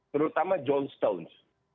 terutama john stones